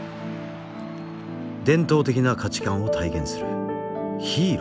伝統的な価値観を体現するヒーローだという。